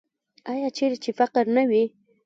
آیا چیرې چې فقر نه وي؟